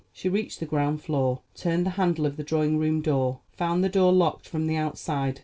She reached the ground floor, turned the handle of the drawing room door, found the door locked from the outside.